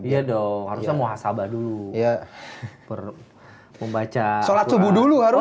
iya dong harusnya muasabah dulu